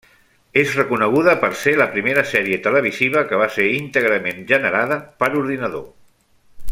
És reconeguda per ser la primera sèrie televisiva que va ser íntegrament generada per ordinador.